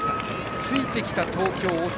ついてきた東京、大阪。